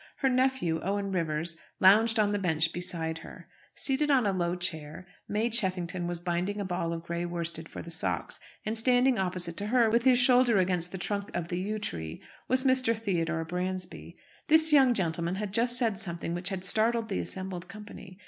Her nephew, Owen Rivers, lounged on the bench beside her. Seated on a low chair, May Cheffington was winding a ball of grey worsted for the socks; and standing opposite to her, with his shoulder against the trunk of the yew tree, was Mr. Theodore Bransby. This young gentleman had just said something which had startled the assembled company.